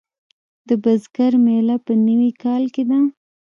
د بزګر میله په نوي کال کې ده.